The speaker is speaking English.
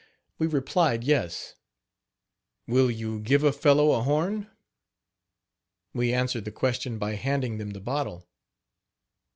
We replied "yes." Will you give a fellow a horn?" We answered the question by handing them the bottle.